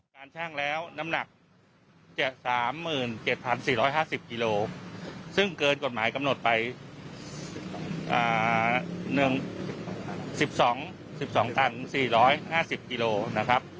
ชั่งแล้วน้ำหนักจะ๓๗๔๕๐กิโลซึ่งเกินกฎหมายกำหนดไป๑๒๑๒๔๕๐กิโลนะครับ